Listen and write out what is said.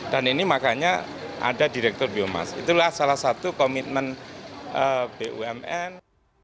dan ini makanya ada direktor biomasa itulah salah satu komitmen bumn